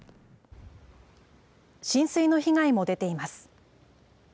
浸水の被害も出ています。